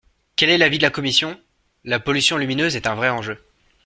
Quel est l’avis de la commission ? La pollution lumineuse est un vrai enjeu.